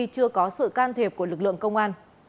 của lực lượng công an